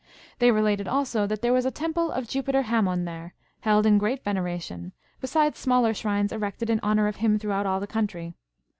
They related also that there was a temple of Jupiter Hammon there, held in great veneration, besides smaller siuines erected in honour of him throughout all the coimtry.